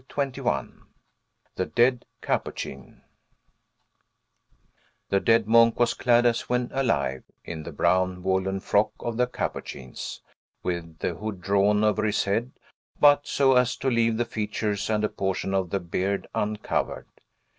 CHAPTER XXI THE DEAD CAPUCHIN The dead monk was clad, as when alive, in the brown woollen frock of the Capuchins, with the hood drawn over his head, but so as to leave the features and a portion of the beard uncovered.